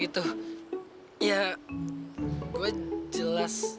kenapa lo ga sama gue aja